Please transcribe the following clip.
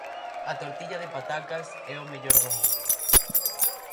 A tortilla de patacas é o mellor do mundo.